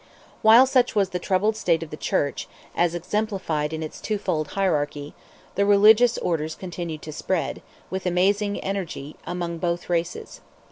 While such was the troubled state of the Church, as exemplified in its twofold hierarchy, the religious orders continued to spread, with amazing energy, among both races.